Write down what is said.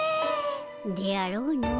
であろうの。